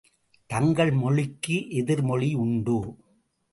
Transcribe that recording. தங்கள் மொழிக்கு எதிர் மொழி உண்டோ?